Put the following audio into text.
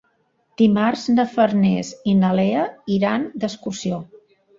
Dimarts na Farners i na Lea iran d'excursió.